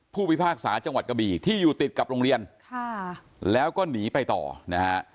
พิพากษาจังหวัดกะบี่ที่อยู่ติดกับโรงเรียนค่ะแล้วก็หนีไปต่อนะฮะ